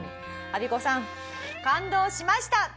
「アビコさん感動しました！」。